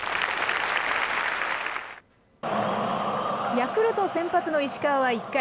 ヤクルト先発の石川は１回。